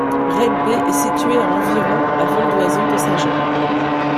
Red Bay est située à environ à vol d'oiseau de Saint-Jean.